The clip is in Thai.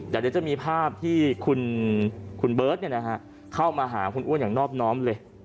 เดี๋ยวจะมีภาพที่คุณเบิร์ตเข้ามาหาคุณอ้วนอย่างนอบน้อมเลย